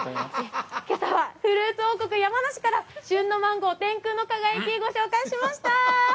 けさはフルーツ王国・山梨から旬のマンゴー、天空の輝きをご紹介しました！